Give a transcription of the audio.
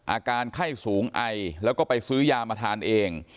อาการไข้สูงไอแล้วก็ไปซื้อยามาทานเอง